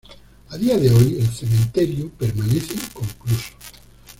A día de hoy, el cementerio permanece inconcluso.